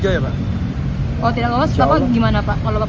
kalau tidak lolos setelah apa gimana pak